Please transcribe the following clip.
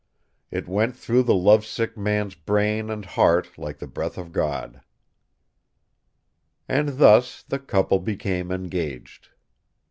It went through the lovesick man's brain and heart like the breath of God. And thus the couple became engaged.